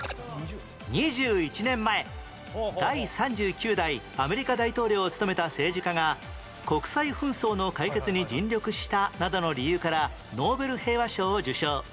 ２１年前第３９代アメリカ大統領を務めた政治家が国際紛争の解決に尽力したなどの理由からノーベル平和賞を受賞